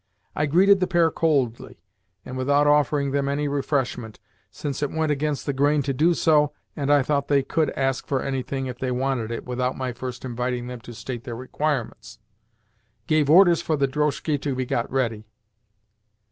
I greeted the pair coldly, and, without offering them any refreshment (since it went against the grain to do so, and I thought they could ask for anything, if they wanted it, without my first inviting them to state their requirements), gave orders for the drozhki to be got ready.